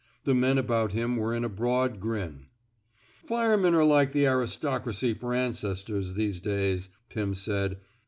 The men about him were in a broad grin. Firemen 're like the aristocracy fer ancestors these days," Pim said.